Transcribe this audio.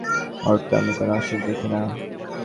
ওর তো আমি কোনো অসুখ দেখি না।